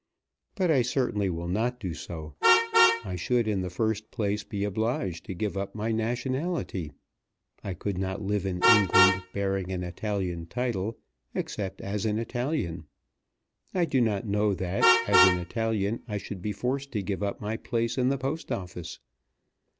But I certainly will not do so. I should in the first place be obliged to give up my nationality. I could not live in England bearing an Italian title, except as an Italian. I do not know that as an Italian I should be forced to give up my place in the Post Office.